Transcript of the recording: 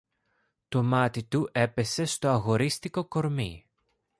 Το μάτι του έπεσε στο αγορίστικο κορμί